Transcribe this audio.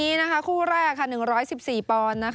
โปรแกรมคู่แรกหนึ่งร้อยสิบสี่ปอน